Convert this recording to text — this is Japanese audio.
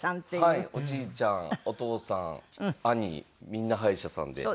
おじいちゃんお父さん兄みんな歯医者さんで。